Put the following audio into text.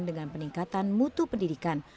dengan peningkatan mutu pendidikan